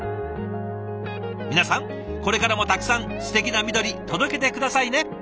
皆さんこれからもたくさんすてきな緑届けて下さいね！